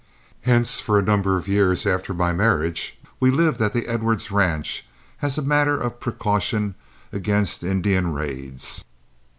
Hence for a number of years after my marriage we lived at the Edwards ranch as a matter of precaution against Indian raids.